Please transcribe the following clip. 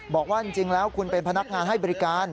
บอกว่าจริงแล้วคุณเป็นพนักงานให้บริการ